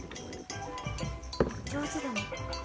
上手だね。